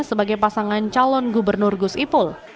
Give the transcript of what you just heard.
sebagai pasangan calon gubernur gus ipul